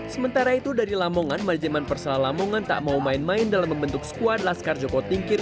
sementara itu dari lamongan manajemen persela lamongan tak mau main main dalam membentuk skuad laskar joko tingkir